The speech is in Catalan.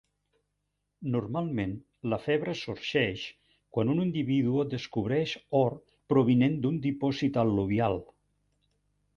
Normalment, la febre sorgeix quan un individu descobreix or provinent d'un dipòsit al·luvial.